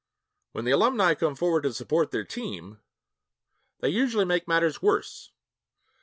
When the alumni come forward to 'support their team,' they usually make matters worse.